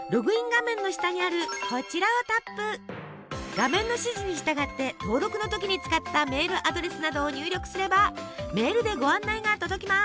画面の指示に従って登録の時に使ったメールアドレスなどを入力すればメールでご案内が届きます。